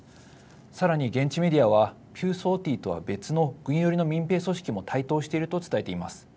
さらに、現地メディアはピューソーティーとは別の軍寄りの民兵組織も台頭していると伝えています。